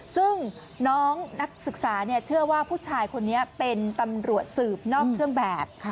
ซึ่งน้องนักศึกษาเชื่อว่าผู้ชายคนนี้เป็นตำรวจสืบนอกเครื่องแบบ